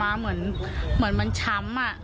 มาหยอดให้น้องแล้วพอหยอดไปหยอดมาเหมือนมันช้ำ